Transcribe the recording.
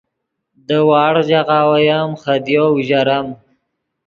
دے وڑغ ژاغہ اویم خدیو اوژرم